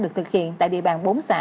được thực hiện tại địa bàn bốn xã